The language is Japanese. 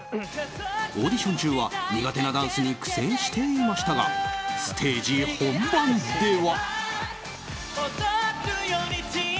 オーディション中は苦手なダンスに苦戦していましたがステージ本番では。